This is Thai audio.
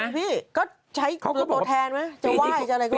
จริงพี่ก็ใช้โปรแทนไหมจะไหว้จะอะไรก็ไม่ต้อง